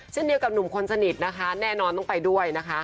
เช่นเดียวกับหนุ่มคนสนิทนะคะแน่นอนต้องไปด้วยนะคะ